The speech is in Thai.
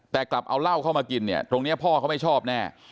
แต่กลับเอาเหล้าเข้ามากินเนี่ยตรงนี้พ่อเขาไม่ชอบแน่